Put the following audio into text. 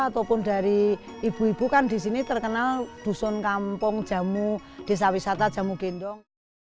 ataupun dari ibu ibu kan di sini terkenal dusun kampung jamu desa wisata jamu gendong